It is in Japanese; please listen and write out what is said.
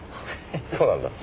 そうなんだ。